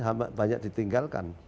yang penelitian banyak ditinggalkan